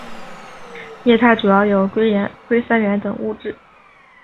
液态主要有硅酸盐等物质。